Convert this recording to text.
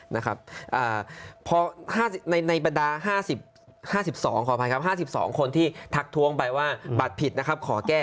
ในบรรดา๕๒ขออภัยครับ๕๒คนที่ทักทวงไปว่าบัตรผิดขอแก้